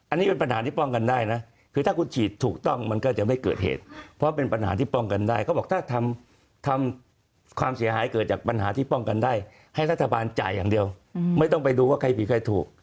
อันนี้เป็นปัญหาที่ป้องกันได้นะคือถ้าคุณฉีดถูกต้องมันก็จะไม่เกิดเหตุเพราะเป็นปัญหาที่ป้องกันได้เขาบอกถ้าทำความเสียหายเกิดจากปัญหาที่ป้องกันได้ให้รัฐบาลจ่ายอย่างเดียวไม่ต้องไปดูว่าใครผิดใครถูก